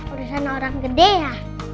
urusan orang gede ya